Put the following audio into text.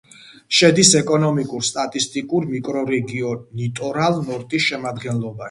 შედის ეკონომიკურ-სტატისტიკურ მიკრორეგიონ ლიტორალ-ნორტის შემადგენლობაში.